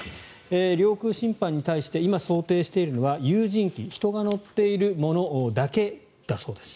領空侵犯に対して今、想定しているのは有人機人が乗っているものだけだそうです。